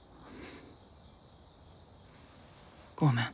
ごめん。